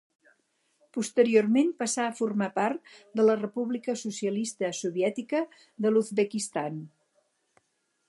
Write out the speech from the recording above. Posteriorment passà a formar part de la República Socialista Soviètica de l'Uzbekistan.